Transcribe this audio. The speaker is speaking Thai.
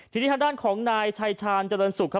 ทีนี้ทางด้านของนายชายชาญเจริญสุขครับ